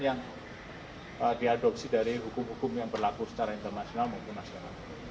yang diadopsi dari hukum hukum yang berlaku secara internasional maupun nasional